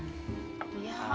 いや。